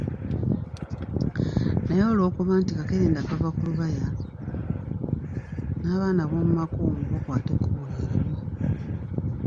Naye olwokuba nti kakerenda kava ku lubaya n'abaana abomu maka omwo bakwata ekkubo lye limu.